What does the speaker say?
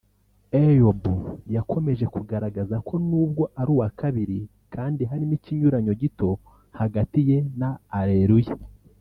Eyob yakomeje kugaragaza ko nubwo ari uwa kabiri kandi harimo ikinyuranyo gito hagati ye na Areruya